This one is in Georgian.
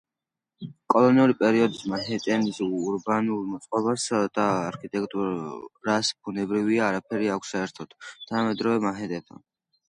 კოლონიური პერიოდის მანჰეტენის ურბანულ მოწყობას და არქიტექტურას, ბუნებრივია, არაფერი აქვს საერთო თანამედროვე მანჰეტენთან.